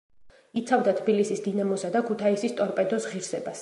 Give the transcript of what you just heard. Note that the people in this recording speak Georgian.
იცავდა თბილისის „დინამოსა“ და ქუთაისის „ტორპედოს“ ღირსებას.